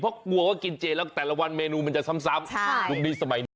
เพราะกลัวว่ากินเจแล้วแต่ละวันเมนูมันจะซ้ำยุคนี้สมัยนี้